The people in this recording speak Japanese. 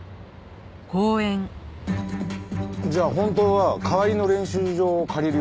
じゃあ本当は代わりの練習場を借りる予定だったの？